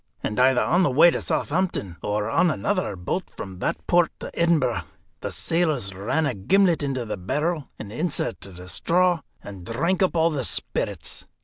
And either on the way to Southampton, or on another boat from that port to Edinburgh, the sailors ran a gimlet into the barrel, and inserted a straw, and drank up all the spirits.